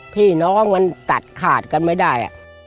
พี่น้องก็คาดกันไม่ได้